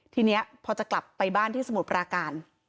ทีนี้พอจะกลับไปบ้านที่สมุทรปราการ